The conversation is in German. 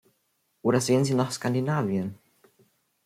Oder sehen Sie nach Skandinavien.